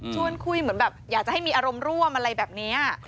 ชวนคุยเหมือนแบบอยากจะให้มีอารมณ์ร่วมอะไรแบบนี้